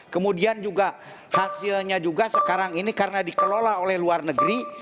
kemudian juga hasilnya juga sekarang ini karena dikelola oleh luar negeri